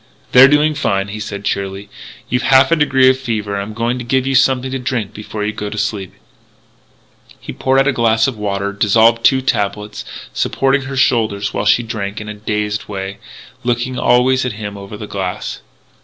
"They're doing fine," he said cheerily. "You've half a degree of fever and I'm going to give you something to drink before you go to sleep " He poured out a glass of water, dissolved two tablets, supported her shoulders while she drank in a dazed way, looking always at him over the glass.